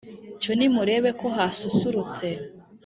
Cyo nimurebe ko hasusurutse